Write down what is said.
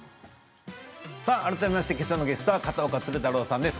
改めましてきょうのゲストは、片岡鶴太郎さんです。